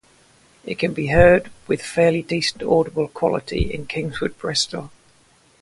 It can be heard with fairly decent audible quality in Kingswood, Bristol.